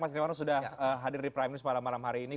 mas irwano sudah hadir di prime news malam hari ini